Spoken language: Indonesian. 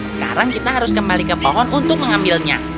sekarang kita harus kembali ke pohon untuk mengambilnya